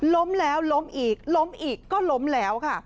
ล้มแล้วล้มอีกล้มอีกก็ล้มแล้วค่ะ